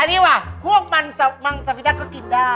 อันนี้หวะฮวกมันมังสละพิดักก็กินได้